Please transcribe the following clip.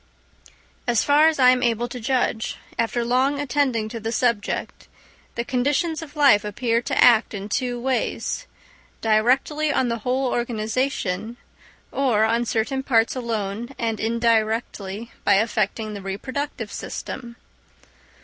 As far as I am able to judge, after long attending to the subject, the conditions of life appear to act in two ways—directly on the whole organisation or on certain parts alone and in directly by affecting the reproductive system.